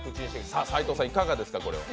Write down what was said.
さあ、斉藤さん、いかがですか？